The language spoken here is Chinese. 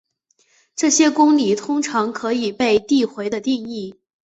这些公理通常可以被递回地定义。